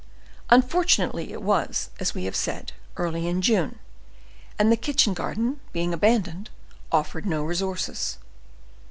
Unfortunately it was, as we have said, early in June, and the kitchen garden, being abandoned, offered no resources.